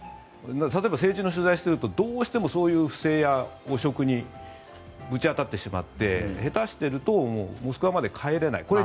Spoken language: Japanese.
例えば政治の取材をしているとどうしてもそういう不正や汚職にぶち当たってしまって下手してるともうモスクワまで帰れない。